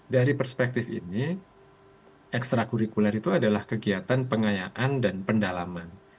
dari perspektif ini ekstra kurikuler itu adalah kegiatan pengayaan dan pendalaman